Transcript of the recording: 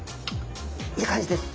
いい感じです。